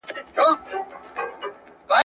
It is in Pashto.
ماشومانو ته د ونو د اوبه کولو مسؤلیت ورکړئ.